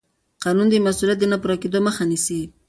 قانون د مسوولیت د نه پوره کېدو مخه نیسي.